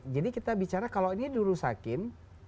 jadi kita bicara kalau ini diurusakin